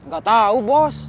gak tau bos